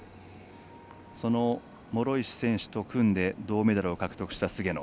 その諸石選手と組んで銅メダルを獲得した菅野。